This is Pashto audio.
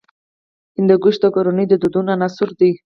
هندوکش د کورنیو د دودونو عنصر دی.